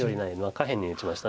下辺に打ちました。